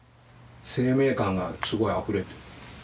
生命感がすごくあふれてる。